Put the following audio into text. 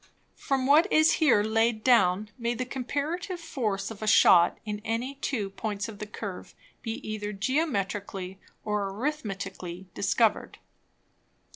From what is here laid down, may the comparative Force of a Shot in any two Points of the Curve, be either Geometrically or Arithmetically discover'd.